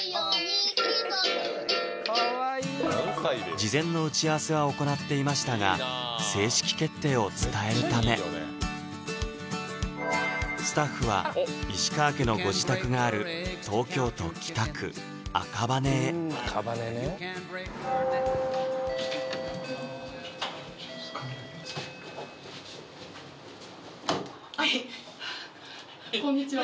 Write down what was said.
事前の打ち合わせは行っていましたが正式決定を伝えるためスタッフは石川家のご自宅がある東京都北区赤羽へ赤羽ねはいこんにちは